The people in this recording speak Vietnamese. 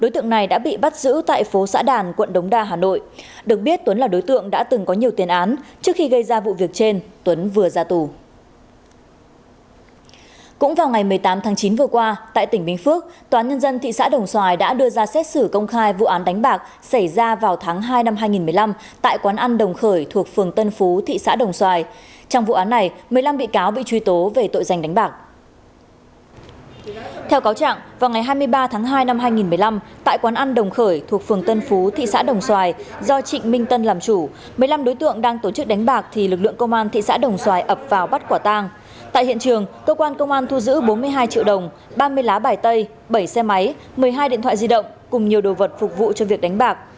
tại hiện trường cơ quan công an thu giữ bốn mươi hai triệu đồng ba mươi lá bài tay bảy xe máy một mươi hai điện thoại di động cùng nhiều đồ vật phục vụ cho việc đánh bạc